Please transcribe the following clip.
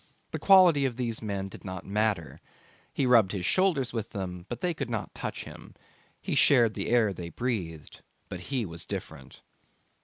The quality of these men did not matter; he rubbed shoulders with them, but they could not touch him; he shared the air they breathed, but he was different.